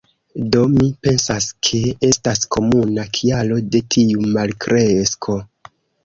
Do mi pensas ke estas komuna kialo de tiu malkresko.